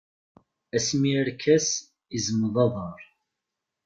Asmi arkas izmeḍ aḍar.